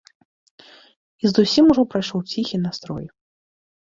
І зусім ужо прайшоў ціхі настрой.